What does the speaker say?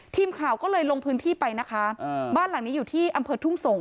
ทีมข่าวก็เลยลงพื้นที่ไปนะคะบ้านหลังนี้อยู่ที่อำเภอทุ่งสงศ